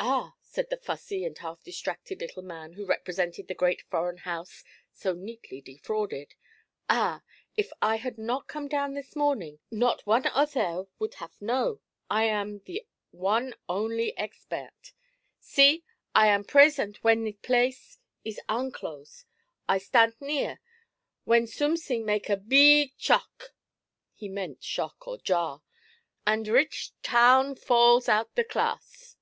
'Ah!' said the fussy and half distracted little man who represented the great foreign house so neatly defrauded, 'Ah! if I had not come down this morning, not one othair would haf know. I am the one only expairt. See! I am praisant wen the plaice is un cloase. I stant near, wen soomsing make a beeg chock' he meant shock or jar 'ant richt town falls out the klass.